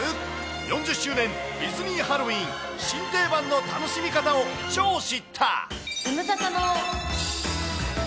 ４０周年ディズニーハロウィーン新定番の楽しみ方を超知った！